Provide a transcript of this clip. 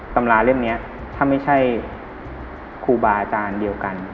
ตำราเล่มนี้ถ้าไม่ใช่ครูบาอาจารย์เดียวกัน